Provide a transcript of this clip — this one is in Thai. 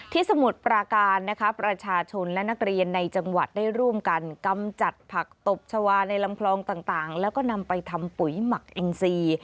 สมุทรปราการนะคะประชาชนและนักเรียนในจังหวัดได้ร่วมกันกำจัดผักตบชาวาในลำคลองต่างแล้วก็นำไปทำปุ๋ยหมักเอ็งซี